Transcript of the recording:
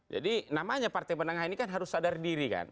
jadi namanya partai menengah ini kan harus sadar diri kan